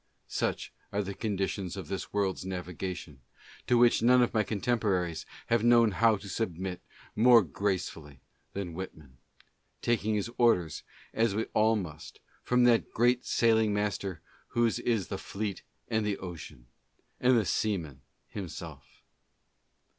Such are the conditions of this world's navigation, to which none of my contemporaries have known how to submit more gracefully than Whitman, — taking his orders, as we all must, from that great sailing master whose is the fleet and the ocean, and the seaman himself.